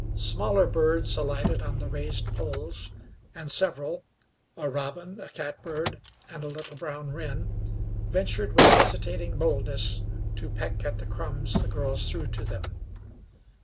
Smaller birds alighted on the raised poles, and several a robin, a catbird and a little brown wren ventured with hesitating boldness to peck at the crumbs the girls threw to them.